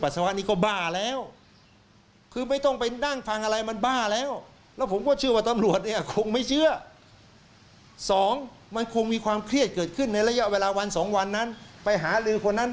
สามหลบไปเสียก่อน